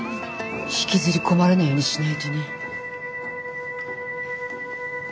引きずり込まれないようにしないとね。